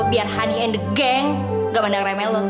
biar hani and the gang gak mandang remeh lo